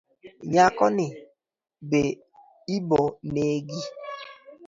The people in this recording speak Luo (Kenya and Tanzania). Nyako ni be ibo negi